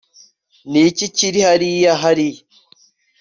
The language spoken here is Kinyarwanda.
ni iki kiri hariya hariya